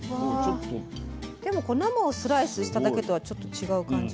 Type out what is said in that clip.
でもこう生をスライスしただけとはちょっと違う感じが。